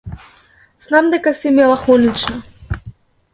Знам дека си мелахонична.